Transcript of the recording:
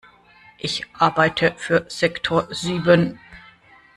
Ich arbeite für Sektor sieben.